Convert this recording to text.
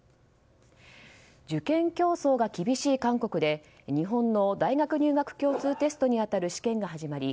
受験競争が厳しい韓国で日本の大学入学共通テストに当たる試験が始まり